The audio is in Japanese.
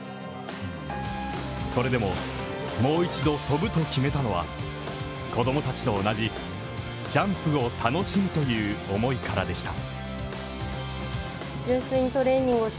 それでも、もう一度跳ぶと決めたのは子供たちと同じジャンプを楽しむという思いからでした。